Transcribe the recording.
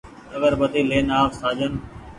آگربتي لين آ و سآجن